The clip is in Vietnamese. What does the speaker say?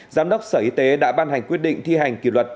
giám đốc sở y tế đã ban hành quyết định thi hành kỷ luật